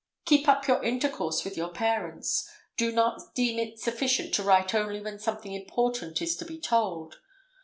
Keep up your intercourse with your parents. Do not deem it sufficient to write only when something important is to be told.